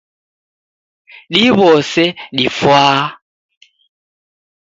Diw'ose difwaa